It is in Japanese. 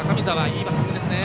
いいバッティングですね。